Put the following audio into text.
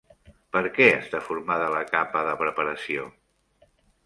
Per què està formada la capa de preparació?